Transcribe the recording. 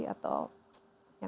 yang mengobstruksi yang mengobstruksi